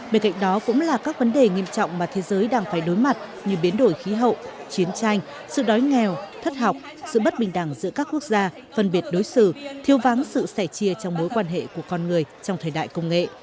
bên cạnh đó cũng là các vấn đề nghiêm trọng mà thế giới đang phải đối mặt như biến đổi khí hậu chiến tranh sự đói nghèo thất học sự bất bình đẳng giữa các quốc gia phân biệt đối xử thiêu váng sự sẻ chia trong mối quan hệ của con người trong thời đại công nghệ